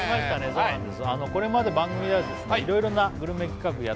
そうなんです